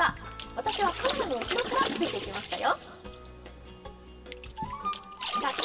私はカメラの後ろからついていきましたよ。